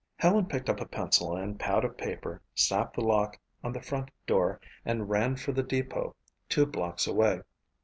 Helen picked up a pencil and pad of paper, snapped the lock on the front door and ran for the depot two blocks away.